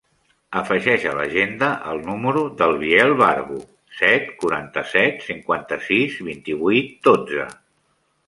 Afegeix a l'agenda el número del Biel Barbu: set, quaranta-set, cinquanta-sis, vint-i-vuit, dotze.